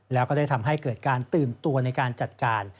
แล้วก็ได้ทำให้เกิดการตื่นตัวในการจัดการ